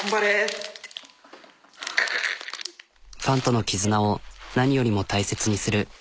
ファンとの絆を何よりも大切にする。